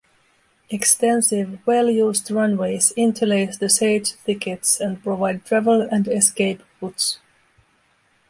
Extensive, well-used runways interlace the sage thickets and provide travel and escape routes.